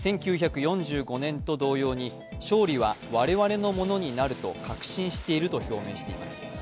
１９４５年と同様に勝利は我々のものとなると確信していると表明しています。